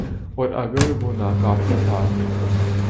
اوراگر وہ ناکافی تھا۔